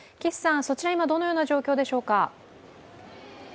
そちら、今、どのような状況でしょうか？